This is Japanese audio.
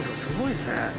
すごいですね。